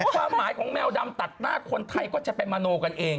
ความหมายของแมวดำตัดหน้าคนไทยก็จะไปมโนกันเอง